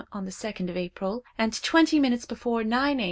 on the second of April, and twenty minutes before nine A.